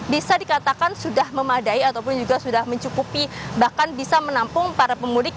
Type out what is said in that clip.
bisa dikatakan sudah memadai ataupun juga sudah mencukupi bahkan bisa menampung para pemudik